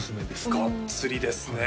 がっつりですね